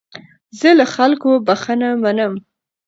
زه له خلکو بخښنه منم.